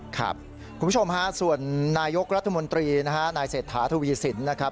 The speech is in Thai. ครับคุณผู้ชมส่วนนายกรัฐมนตรีนายเศรษฐาทวีสินนะครับ